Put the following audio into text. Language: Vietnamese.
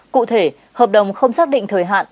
cụ thể hợp đồng không xác định thời hạn